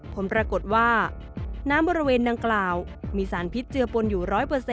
ผลปรากฏว่าน้ำบริเวณดังกล่าวมีสารพิษเจือปนอยู่๑๐๐